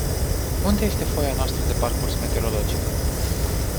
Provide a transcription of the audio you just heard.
Unde este foaia noastră de parcurs meteorologică?